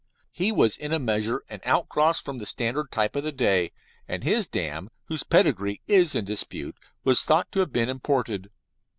He was in a measure an outcross from the standard type of the day, and his dam, whose pedigree is in dispute, was thought to have been imported.